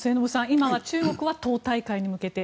今は中国は党大会に向けて。